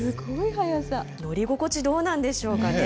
乗り心地どうなんでしょうかね。